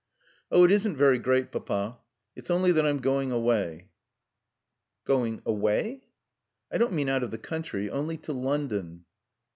"Oh it isn't very great, Papa. It's only that I'm going away." "Going away?" "I don't mean out of the country. Only to London."